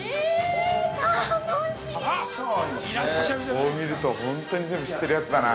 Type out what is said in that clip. ◆こう見ると、本当に全部知っているやつだな。